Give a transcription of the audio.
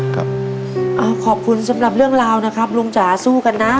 ขอบคุณสำหรับเรื่องราวนะครับลุงจ๋าสู้กันนะ